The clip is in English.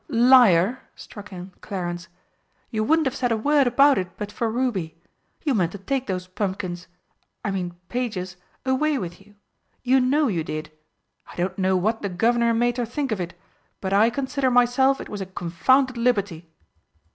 "Liar!" struck in Clarence. "You wouldn't have said a word about it but for Ruby! You meant to take those pumpkins I mean pages away with you. You know you did! I don't know what the Guv'nor and Mater think of it but I consider myself it was a confounded liberty!"